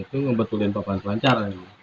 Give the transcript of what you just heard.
itu membetulkan papan selancar